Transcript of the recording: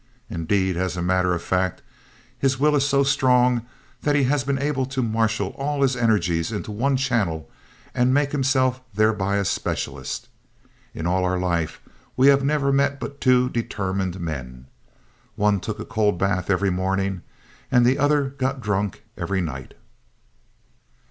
Indeed, as a matter of fact, his will is so strong that he has been able to marshal all his energies into one channel and to make himself thereby a specialist. In all our life we have never met but two determined men. One took a cold bath every morning and the other got drunk every night.